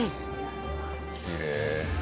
きれい。